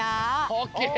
オッケー！